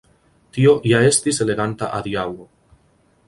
Tio ja estis eleganta adiaŭo.